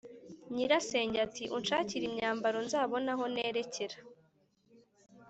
nyirasenge ati: "Unshakire imyambaro, nzabone aho nerekera